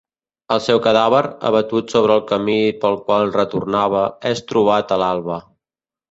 El seu cadàver, abatut sobre el camí pel qual retornava, és trobat a l'alba.